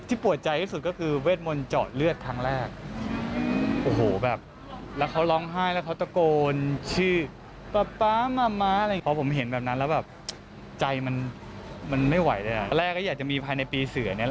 ที่ปวดใจที่สุดก็คือเวทมนต์เจาะเลือดครั้งแรกโอ้โหแบบแล้วเขาร้องไห้แล้วเขาตะโกนชื่อป๊าป๊ามาม้าอะไรอย่างนี้